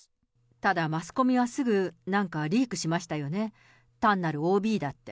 ただマスコミはすぐ、なんかリークしましたよね、単なるＯＢだって。